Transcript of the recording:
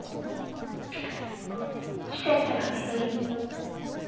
「季節が巡り。